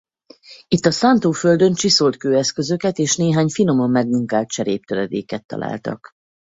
Itt a szántóföldön csiszolt kőeszközöket és néhány finoman megmunkált cseréptöredéket találtak.